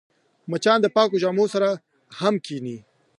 مچان د پاکو جامو سره هم کښېني